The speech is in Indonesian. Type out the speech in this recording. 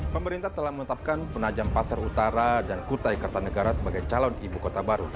pemerintah telah menetapkan penajam pasar utara dan kutai kartanegara sebagai calon ibu kota baru